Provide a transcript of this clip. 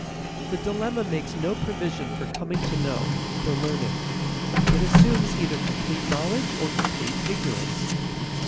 The dilemma makes no provision for coming to know, for learning; it assumes either complete knowledge or complete ignorance.